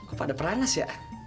apa ada peranas ya